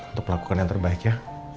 untuk melakukan yang terbaik ya